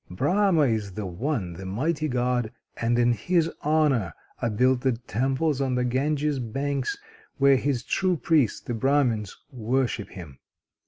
Brahma is the One, the mighty God, and in His honour are built the temples on the Ganges' banks, where his true priests, the Brahmins, worship him.